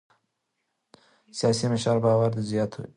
سیاسي مشارکت باور زیاتوي